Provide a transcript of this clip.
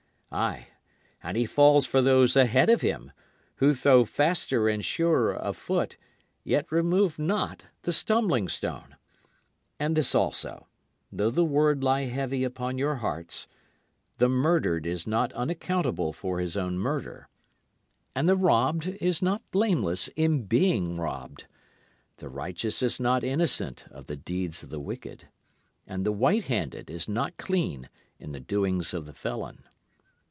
Ay, and he falls for those ahead of him, who though faster and surer of foot, yet removed not the stumbling stone. And this also, though the word lie heavy upon your hearts: The murdered is not unaccountable for his own murder, And the robbed is not blameless in being robbed. The righteous is not innocent of the deeds of the wicked, And the white handed is not clean in the doings of the felon.